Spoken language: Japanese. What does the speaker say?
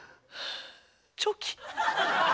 チョキ？